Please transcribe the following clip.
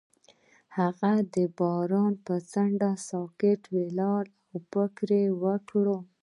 هغه د باران پر څنډه ساکت ولاړ او فکر وکړ.